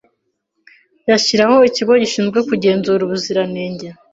yashyiraho ikigo gishinzwe kugenzura ubuziranenge